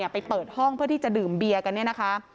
ไปเปิดห้องเพื่อที่จะดื่มเบียร์กันเนี่ยนะคะ